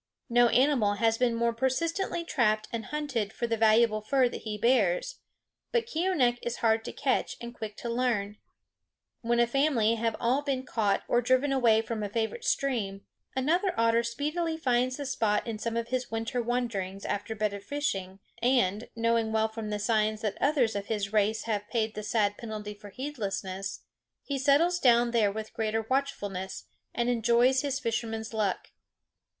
No animal has been more persistently trapped and hunted for the valuable fur that he bears; but Keeonekh is hard to catch and quick to learn. When a family have all been caught or driven away from a favorite stream, another otter speedily finds the spot in some of his winter wanderings after better fishing, and, knowing well from the signs that others of his race have paid the sad penalty for heedlessness, he settles down there with greater watchfulness, and enjoys his fisherman's luck.